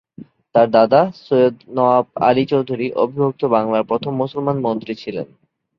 তার দাদা সৈয়দ নওয়াব আলী চৌধুরী অবিভক্ত বাংলার প্রথম মুসলমান মন্ত্রী ছিলেন।